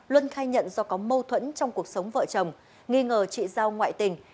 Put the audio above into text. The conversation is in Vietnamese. luân khai nhận do có mâu thuẫn trong cuộc sống vợ chồng nghi ngờ chị giao ngoại tình